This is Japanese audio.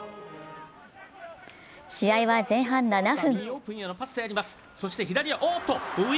試合は前半７分。